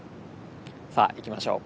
さあ行きましょう。